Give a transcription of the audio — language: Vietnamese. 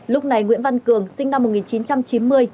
lúc này nguyễn văn cường sinh năm một nghìn chín trăm chín mươi